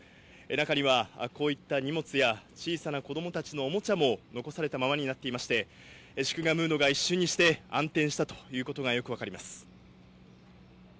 中には荷物や小さな子供たちのおもちゃも残されたままになっていまして祝賀ムードが一瞬にして暗転したというのがよく分かります。